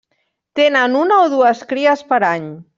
Tenen una o dues cries per any.